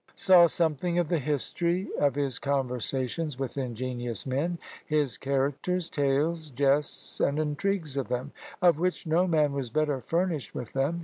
Saw nothing of the history of his conversations with ingenious men; his characters, tales, jests, and intrigues of them, of which no man was better furnished with them.